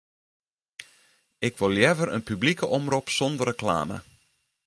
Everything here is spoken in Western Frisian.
Ik wol leaver in publike omrop sonder reklame.